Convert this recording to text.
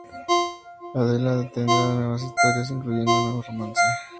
Adela tendrá nuevas historias, incluyendo un nuevo romance.